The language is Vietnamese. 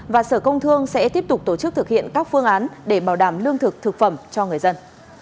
và sở công thương sẽ tiếp tục tổ chức thực hiện các phương án để bảo đảm lương thực thực phẩm cho người dân